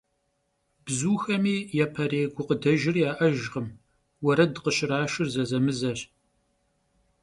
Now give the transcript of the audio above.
Bzuxemi yaperêy gukhıdejjır ya'ejjkhım, vuered khışraşşır zezemızeş.